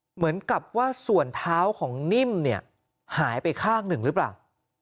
เหมือนกับว่าส่วนเท้าของนิ่มเนี่ยหายไปข้างหนึ่งหรือเปล่า